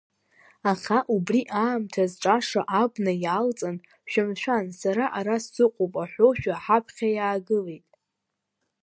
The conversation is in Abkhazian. Аха убри аамҭаз, Ҿаша абна иаалҵын, шәымшәан, сара ара сыҟоуп аҳәоушәа, ҳаԥхьа иаагылеит.